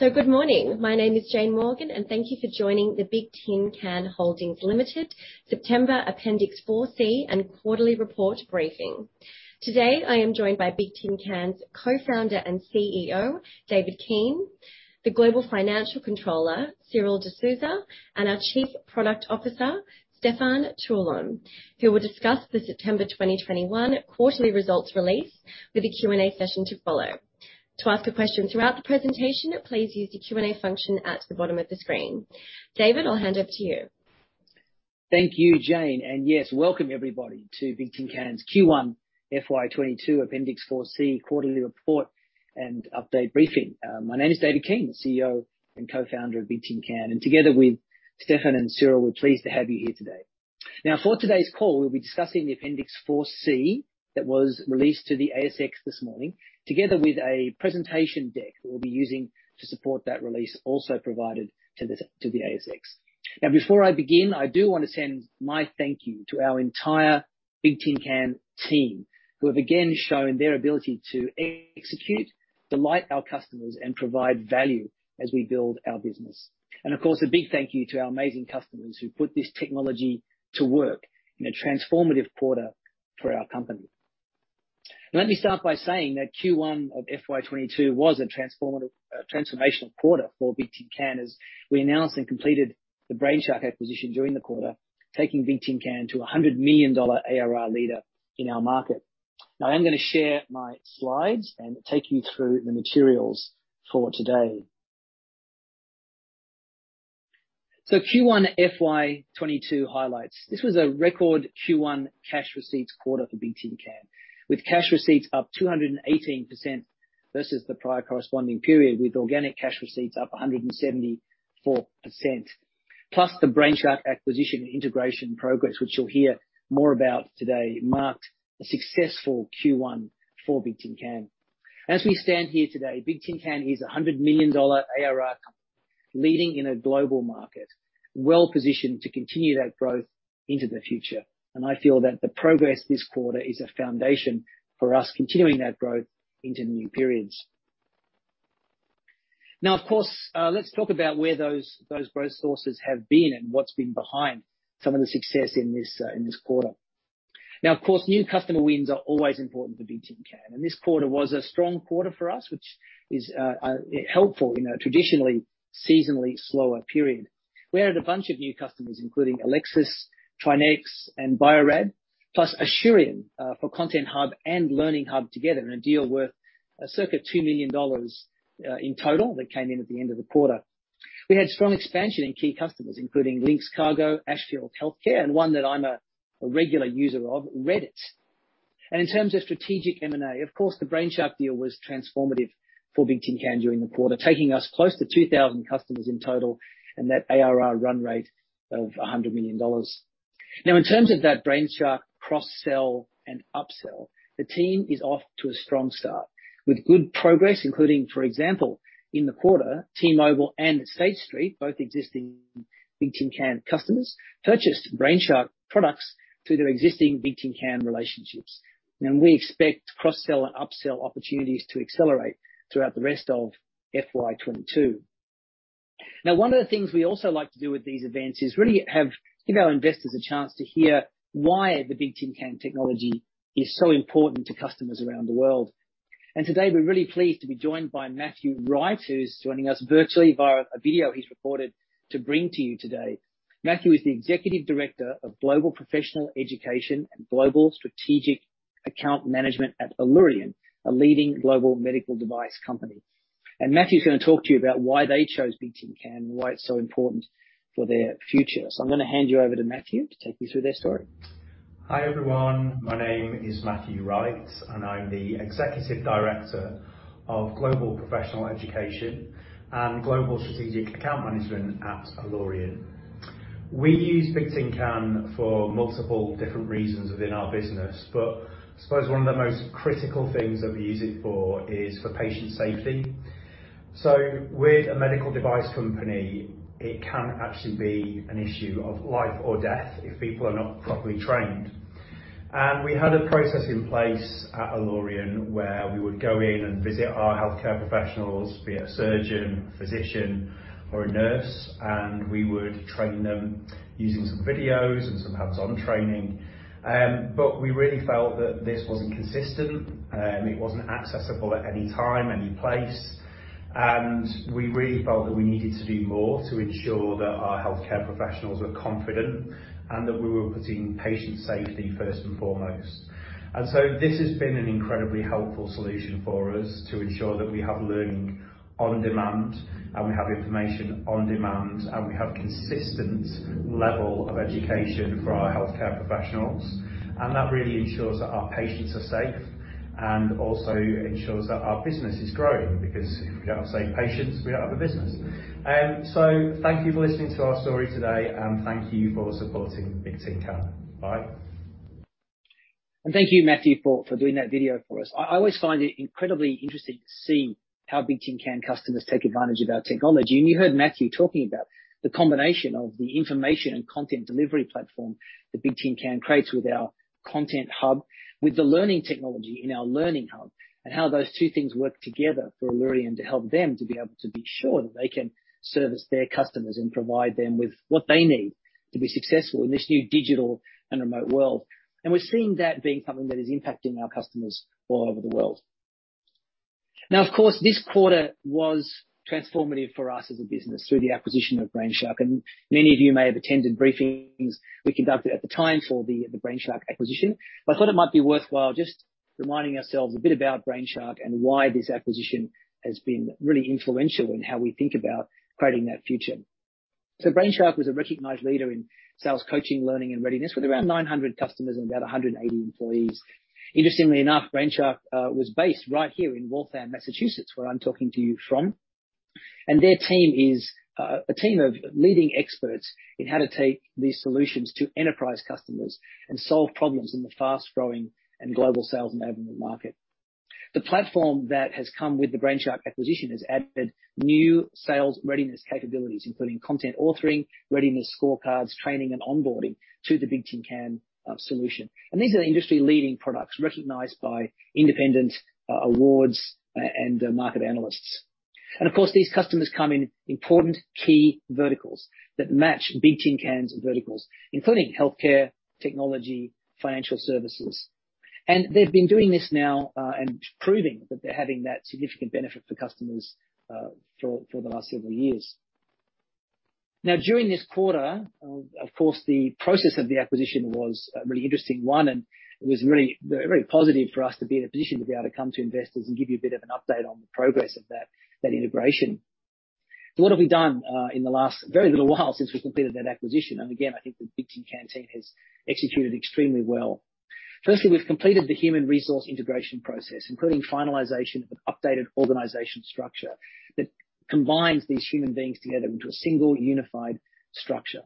Good morning. My name is Jane Morgan and thank you for joining the Bigtincan Holdings Limited September Appendix 4C and quarterly report briefing. Today, I am joined by Bigtincan's Co-founder and CEO, David Keane; the Global Financial Controller, Cyril Desouza; and our Chief Product Officer, Stefan Teulon, who will discuss the September 2021 quarterly results release with the Q&A session to follow. To ask a question, throughout the presentation, please use the Q&A function at the bottom of the screen. David, I'll hand over to you. Thank you, Jane, and yes, welcome everybody to Bigtincan's Q1 FY 2022 Appendix 4C quarterly report and update briefing. My name is David Keane, CEO and Co-Founder of Bigtincan, and together with Stefan and Cyril, we're pleased to have you here today. Now, for today's call, we'll be discussing the Appendix 4C that was released to the ASX this morning, together with a presentation deck we'll be using to support that release also provided to the ASX. Now, before I begin, I do want to send my thank you to our entire Bigtincan team, who have again shown their ability to execute, delight our customers, and provide value as we build our business. Of course, a big thank you to our amazing customers who put this technology to work in a transformative quarter for our company. Let me start by saying that Q1 of FY 2022 was a transformational quarter for Bigtincan as we announced and completed the Brainshark acquisition during the quarter, taking Bigtincan to a $100 million ARR leader in our market. Now, I am going to share my slides and take you through the materials for today. Q1 FY 2022 highlights. This was a record Q1 cash receipts quarter for Bigtincan, with cash receipts up 218% versus the prior corresponding period, with organic cash receipts up 174%. Plus, the Brainshark acquisition and integration progress, which you'll hear more about today, marked a successful Q1 for Bigtincan. As we stand here today, Bigtincan is a $100 million ARR company, leading in a global market, well-positioned to continue that growth into the future. I feel that the progress this quarter is a foundation for us continuing that growth into new periods. Now of course, let's talk about where those growth sources have been and what's been behind some of the success in this quarter. Now of course, new customer wins are always important to Bigtincan, and this quarter was a strong quarter for us, which is helpful in a traditionally seasonally slower period. We added a bunch of new customers, including Aliaxis, TriNetX, and Bio-Rad, plus Asurion for Content Hub and Learning Hub together in a deal worth circa $2 million in total that came in at the end of the quarter. We had strong expansion in key customers, including LINX Cargo, Ashfield Healthcare, and one that I'm a regular user of, Reddit. In terms of strategic M&A, of course, the Brainshark deal was transformative for Bigtincan during the quarter, taking us close to 2,000 customers in total, and that ARR run rate of $100 million. Now in terms of that Brainshark cross-sell and upsell, the team is off to a strong start with good progress, including, for example, in the quarter, T-Mobile and State Street, both existing Bigtincan customers, purchased Brainshark products through their existing Bigtincan relationships. Now we expect cross-sell and upsell opportunities to accelerate throughout the rest of FY 2022. Now, one of the things we also like to do with these events is really have, give our investors a chance to hear why the Bigtincan technology is so important to customers around the world. Today, we're really pleased to be joined by Matthew Wright, who's joining us virtually via a video he's recorded to bring to you today. Matthew is the Executive Director of Global Professional Education and Global Strategic Account Management at Allurion, a leading global medical device company. Matthew's going to talk to you about why they chose Bigtincan and why it's so important for their future. I'm going to hand you over to Matthew to take you through their story. Hi, everyone. My name is Matthew Wright, and I'm the Executive Director of Global Professional Education and Global Strategic Account Management at Allurion. We use Bigtincan for multiple different reasons within our business, but I suppose one of the most critical things that we use it for is for patient safety. With a medical device company, it can actually be an issue of life or death if people are not properly trained. We had a process in place at Allurion where we would go in and visit our healthcare professionals, be it a surgeon, a physician, or a nurse, and we would train them using some videos and some hands-on training. But we really felt that this wasn't consistent, it wasn't accessible at any time, any place. We really felt that we needed to do more to ensure that our healthcare professionals were confident and that we were putting patient safety first and foremost. This has been an incredibly helpful solution for us to ensure that we have learning on demand, and we have information on demand, and we have consistent level of education for our healthcare professionals. That really ensures that our patients are safe and also ensures that our business is growing because if we don't have safe patients, we don't have a business. Thank you for listening to our story today and thank you for supporting Bigtincan. Bye. Thank you, Matthew, for doing that video for us. I always find it incredibly interesting to see how Bigtincan customers take advantage of our technology. You heard Matthew talking about the combination of the information and content delivery platform that Bigtincan creates with our Content Hub, with the learning technology in our Learning Hub, and how those two things work together for Allurion to help them to be able to be sure that they can service their customers and provide them with what they need to be successful in this new digital and remote world. We're seeing that being something that is impacting our customers all over the world. Now, of course, this quarter was transformative for us as a business through the acquisition of Brainshark, and many of you may have attended briefings we conducted at the time for the Brainshark acquisition. I thought it might be worthwhile just reminding ourselves a bit about Brainshark and why this acquisition has been really influential in how we think about creating that future. Brainshark was a recognized leader in sales, coaching, learning, and readiness with around 900 customers and about 180 employees. Interestingly enough, Brainshark was based right here in Waltham, Massachusetts, where I'm talking to you from. Their team is a team of leading experts in how to take these solutions to enterprise customers and solve problems in the fast-growing and global sales enablement market. The platform that has come with the Brainshark acquisition has added new sales readiness capabilities, including content authoring, readiness scorecards, training, and onboarding to the Bigtincan solution. These are the industry-leading products recognized by independent awards and market analysts. Of course, these customers come in important key verticals that match Bigtincan's verticals, including healthcare, technology, financial services. They've been doing this now and proving that they're having that significant benefit for customers, for the last several years. Now, during this quarter, of course, the process of the acquisition was a really interesting one, and it was really, very positive for us to be in a position to be able to come to investors and give you a bit of an update on the progress of that integration. What have we done in the last very little while since we completed that acquisition? Again, I think that Bigtincan team has executed extremely well. Firstly, we've completed the human resource integration process, including finalization of an updated organizational structure that combines these human beings together into a single unified structure.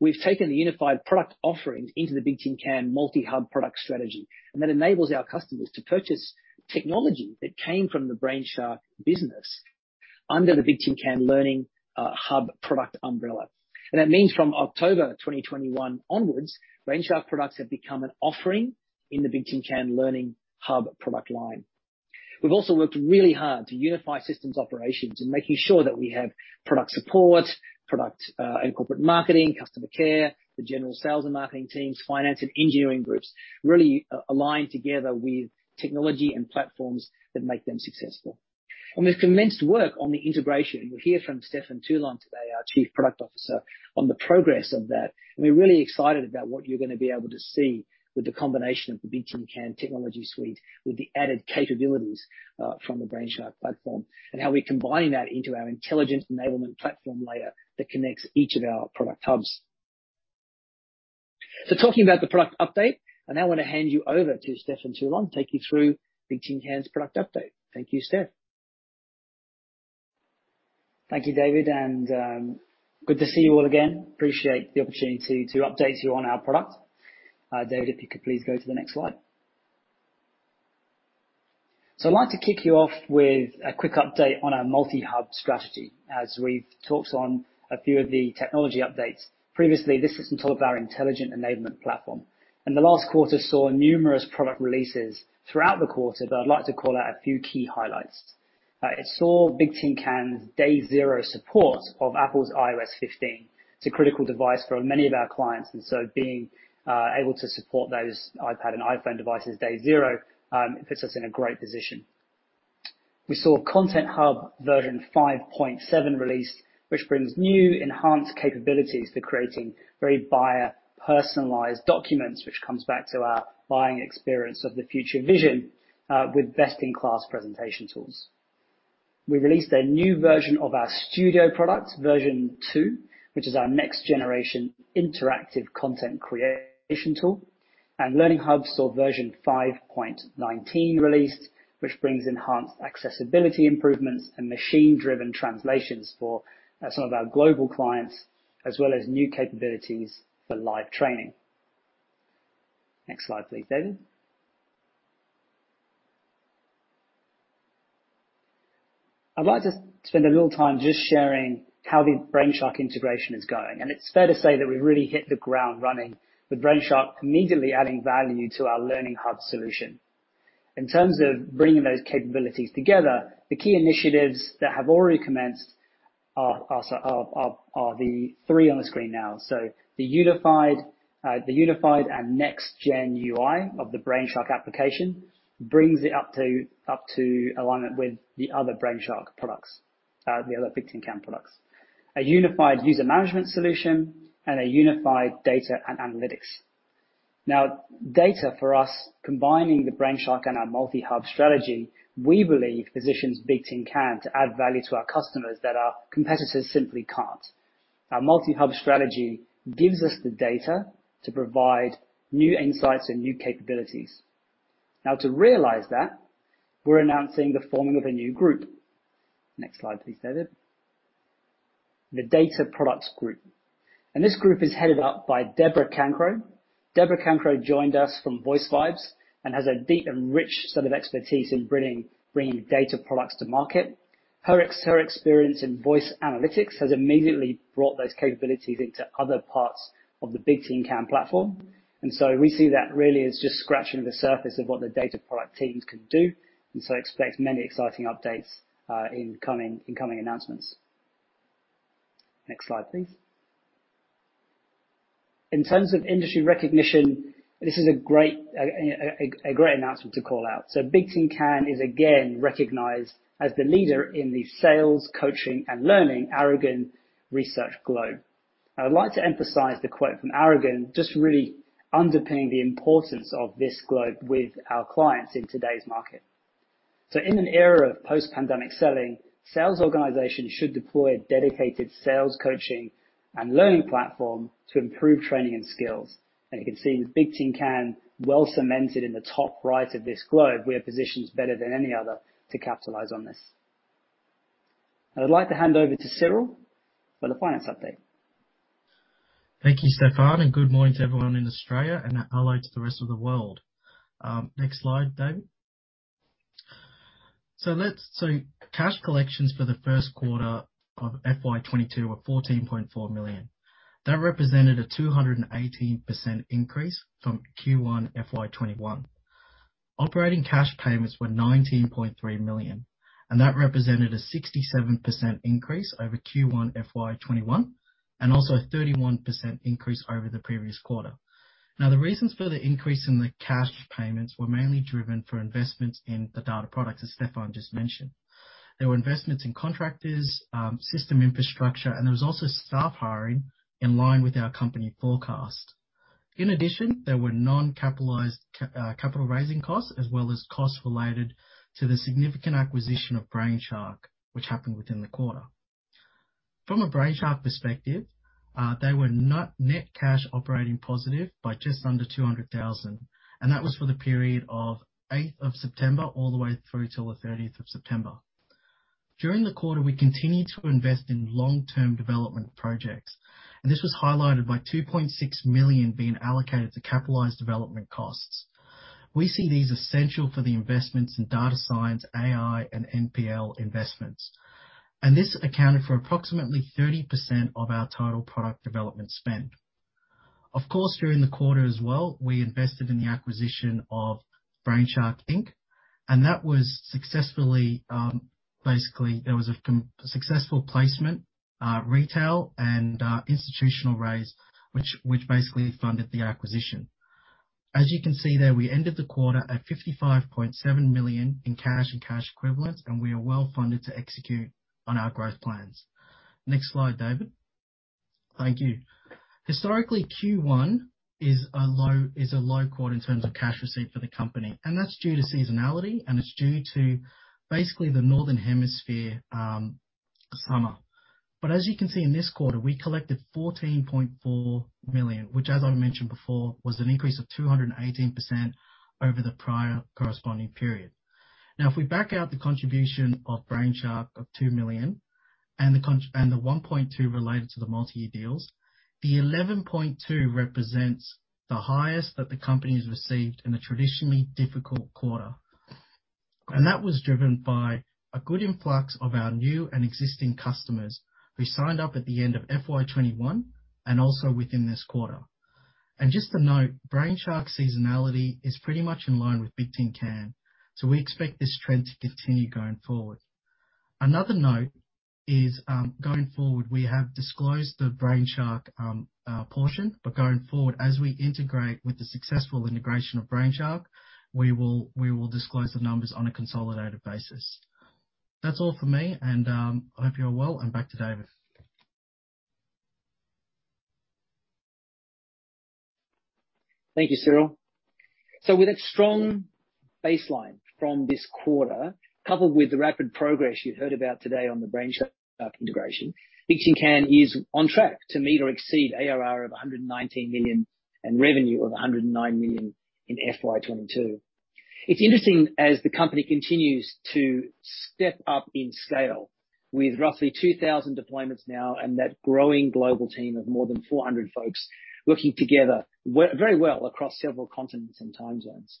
We've taken the unified product offerings into the Bigtincan multi-hub product strategy, and that enables our customers to purchase technology that came from the Brainshark business under the Bigtincan Learning Hub product umbrella. That means from October 2021 onwards, Brainshark products have become an offering in the Bigtincan Learning Hub product line. We've also worked really hard to unify systems operations and making sure that we have product support, product and corporate marketing, customer care, the general sales and marketing teams, finance and engineering groups really aligned together with technology and platforms that make them successful. We've commenced work on the integration. We'll hear from Stefan Teulon today, our Chief Product Officer, on the progress of that. We're really excited about what you're going to be able to see with the combination of the Bigtincan technology suite with the added capabilities from the Brainshark platform and how we combine that into our Intelligent Enablement Platform layer that connects each of our product hubs. Talking about the product update, I now want to hand you over to Stefan Teulon, take you through Bigtincan's product update. Thank you, Stef. Thank you, David, and good to see you all again. Appreciate the opportunity to update you on our product. David, if you could please go to the next slide. I'd like to kick you off with a quick update on our multi-hub strategy as we've talked on a few of the technology updates. Previously, this was on top of our Intelligent Enablement Platform. The last quarter saw numerous product releases throughout the quarter, but I'd like to call out a few key highlights. It saw Bigtincan's day zero support of Apple's iOS 15. It's a critical device for many of our clients, and so being able to support those iPad and iPhone devices day zero puts us in a great position. We saw Content Hub version 5.7 released, which brings new enhanced capabilities to creating very buyer-personalized documents, which comes back to our buying experience of the future vision, with best-in-class presentation tools. We released a new version of our Studio product, version 2, which is our next generation interactive content creation tool. Learning Hub saw version 5.19 released, which brings enhanced accessibility improvements and machine-driven translations for some of our global clients, as well as new capabilities for live training. Next slide, please, David. I'd like to spend a little time just sharing how the Brainshark integration is going, and it's fair to say that we've really hit the ground running with Brainshark immediately adding value to our Learning Hub solution. In terms of bringing those capabilities together, the key initiatives that have already commenced are the three on the screen now. The unified and next gen UI of the Brainshark application brings it up to alignment with the other Brainshark products, the other Bigtincan products. A unified user management solution and a unified data and analytics. Now, data for us, combining the Brainshark and our multi-hub strategy, we believe positions Bigtincan to add value to our customers that our competitors simply can't. Our multi-hub strategy gives us the data to provide new insights and new capabilities. Now, to realize that, we're announcing the forming of a new group. Next slide please, David. The Data Products group. This group is headed up by Debra Cancro. Debra Cancro joined us from VoiceVibes and has a deep and rich set of expertise in bringing data products to market. Her experience in voice analytics has immediately brought those capabilities into other parts of the Bigtincan platform. We see that really as just scratching the surface of what the Data Products teams can do, expect many exciting updates in coming announcements. Next slide, please. In terms of industry recognition, this is a great announcement to call out. Bigtincan is again recognized as the leader in the sales, coaching and learning Aragon Research Globe. I would like to emphasize the quote from Aragon, just really underpinning the importance of this globe with our clients in today's market. In an era of post-pandemic selling, sales organizations should deploy a dedicated sales coaching and learning platform to improve training and skills. You can see with Bigtincan well cemented in the top right of this globe, we are positioned better than any other to capitalize on this. I'd like to hand over to Cyril for the finance update. Thank you, Stefan, and good morning to everyone in Australia and hello to the rest of the world. Next slide, David. Cash collections for the first quarter of FY 2022 were 14.4 million. That represented a 218% increase from Q1 FY 2021. Operating cash payments were 19.3 million, and that represented a 67% increase over Q1 FY 2021 and also a 31% increase over the previous quarter. Now, the reasons for the increase in the cash payments were mainly driven by investments in the Data Products, as Stefan just mentioned. There were investments in contractors, system infrastructure, and there was also staff hiring in line with our company forecast. In addition, there were non-capitalized capital raising costs, as well as costs related to the significant acquisition of Brainshark, which happened within the quarter. From a Brainshark perspective, they were not net cash operating positive by just under $200,000, and that was for the period of 8th of September all the way through till the 30th of September. During the quarter, we continued to invest in long-term development projects, and this was highlighted by $2.6 million being allocated to capitalized development costs. We see this essential for the investments in data science, AI and NPL investments. This accounted for approximately 30% of our total product development spend. Of course, during the quarter as well, we invested in the acquisition of Brainshark, Inc. That was successfully-- basically there was a successful placement, retail and institutional raise which basically funded the acquisition. As you can see there, we ended the quarter at $55.7 million in cash and cash equivalents, and we are well funded to execute on our growth plans. Next slide, David. Thank you. Historically, Q1 is a low quarter in terms of cash receipt for the company, and that's due to seasonality and it's due to basically the Northern Hemisphere summer. As you can see in this quarter, we collected $14.4 million, which as I mentioned before, was an increase of 218% over the prior corresponding period. Now, if we back out the contribution of Brainshark of $2 million and the $1.2 million related to the multi-year deals, the $11.2 million represents the highest that the company's received in a traditionally difficult quarter. That was driven by a good influx of our new and existing customers who signed up at the end of FY 2021 and also within this quarter. Just to note, Brainshark seasonality is pretty much in line with Bigtincan, so we expect this trend to continue going forward. Another note is, going forward, we have disclosed the Brainshark portion. Going forward, as we integrate with the successful integration of Brainshark, we will disclose the numbers on a consolidated basis. That's all for me and, I hope you're well, and back to David. Thank you, Cyril. With a strong baseline from this quarter, coupled with the rapid progress you heard about today on the Brainshark integration, Bigtincan is on track to meet or exceed ARR of $119 million and revenue of $109 million in FY 2022. It's interesting, as the company continues to step up in scale with roughly 2,000 deployments now and that growing global team of more than 400 folks working together very well across several continents and time zones.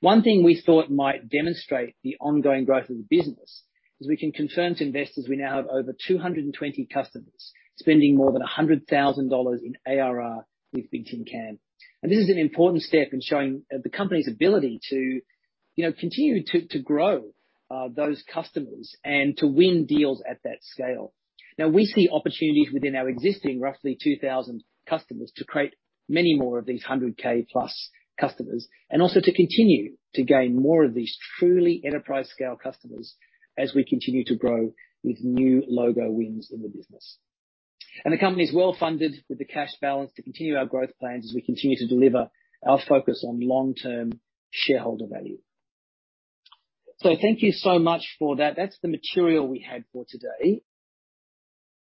One thing we thought might demonstrate the ongoing growth of the business is we can confirm to investors we now have over 220 customers spending more than $100,000 in ARR with Bigtincan. This is an important step in showing the company's ability to continue to grow those customers and to win deals at that scale. Now, we see opportunities within our existing roughly 2,000 customers to create many more of these 100,000+ customers and also to continue to gain more of these truly enterprise-scale customers as we continue to grow with new logo wins in the business. The company is well funded with the cash balance to continue our growth plans as we continue to deliver our focus on long-term shareholder value. Thank you so much for that. That's the material we had for today.